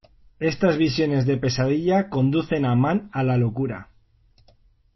Estas visiones de pesadilla conducen a Mann a la locura.